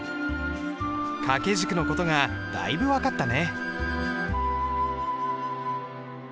掛軸の事がだいぶ分かったね。